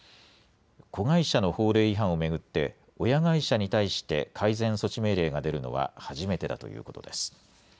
子会社の法令違反を巡って親会社に対して改善措置命令が出るのは初めてだということです。